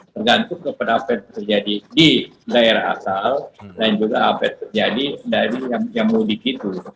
tergantung kepada apa yang terjadi di daerah asal dan juga apa yang terjadi dari yang mudik itu